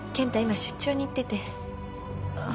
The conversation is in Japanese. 今出張に行ってて。